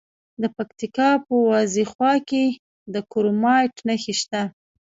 د پکتیکا په وازیخوا کې د کرومایټ نښې شته.